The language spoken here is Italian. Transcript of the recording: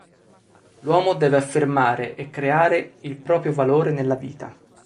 L'uomo deve affermare e creare il proprio valore nella vita.